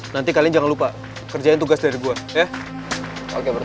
nanti kalian jangan lupa kerjain tugas dari gue